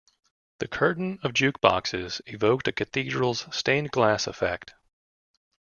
The curtain of juke boxes evoked a cathedral's stained glass effect.